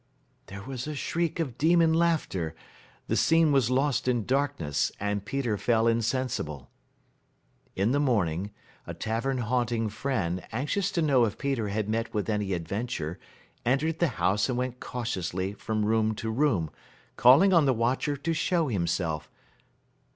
There was a shriek of demon laughter, the scene was lost in darkness, and Peter fell insensible. In the morning a tavern haunting friend, anxious to know if Peter had met with any adventure, entered the house and went cautiously from room to room, calling on the watcher to show himself.